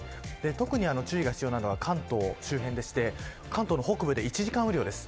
特に注意が必要なのは関東周辺でして関東の北部で１時間雨量です。